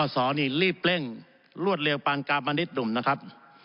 อสนี่รีบเล่งรวดเรียวปางกาบมันิชย์ดุ่มนะครับ